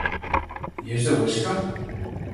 Yes de Uesca?